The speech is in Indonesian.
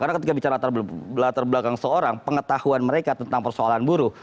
karena ketika bicara latar belakang seorang pengetahuan mereka tentang persoalan buruh